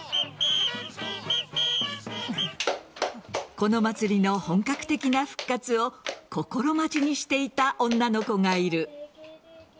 この祭りの本格的な復活を心待ちにしていた女の子がいる。